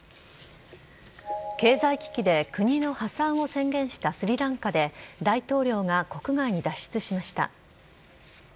経済危機で国の破産を宣言したスリランカで大統領が国外に脱出しました。